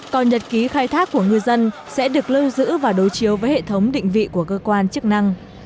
còn nhật ký khai thác của ngư dân sẽ được lưu giữ và đối chiếu với hệ thống định vị của cơ quan chức năng